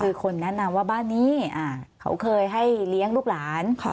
คือคนแนะนำว่าบ้านนี้เขาเคยให้เลี้ยงลูกหลาน